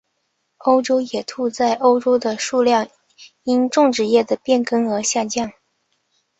欧洲野兔在欧洲的数量因种植业的变更而下降。